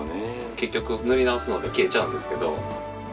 結局塗り直すので消えちゃうんですけど。